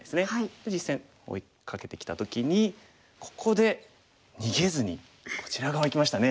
で実戦追いかけてきた時にここで逃げずにこちら側いきましたね。